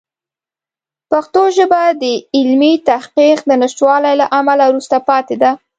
پښتو ژبه د علمي تحقیق د نشتوالي له امله وروسته پاتې ده.